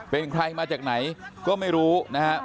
เป็นใครมาจากไหนก็ไม่รู้นะครับ